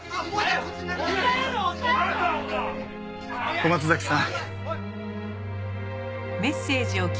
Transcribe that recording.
小松崎さん。